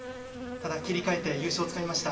ただ、切り替えて優勝をつかみました